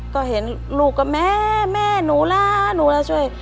ก็เห็นลูกกับแม่แม่หนูนะหนูล่ะช่วย